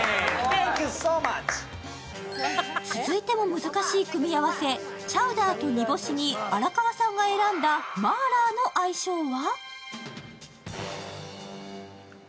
続いても難しい組み合わせ、チャウダーとニボシに荒川さんが選んだマーラーの相性は？